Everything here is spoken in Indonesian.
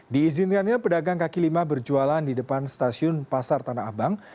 diizinkannya pedagang kaki lima berjualan di depan stasiun pasar tanah abang